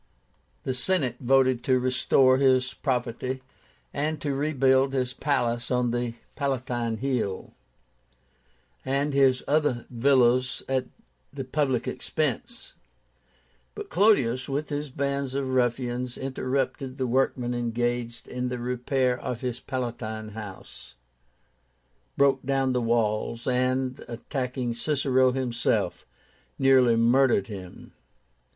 The Senate voted to restore his property, and to rebuild his palace on the Palatine Hill and his other villas at the public expense. But Clodius, with his bands of ruffians, interrupted the workmen engaged in the repair of his Palatine house, broke down the walls, and, attacking Cicero himself, nearly murdered him.